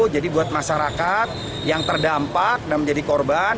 buat masyarakat yang terdampak dan menjadi korban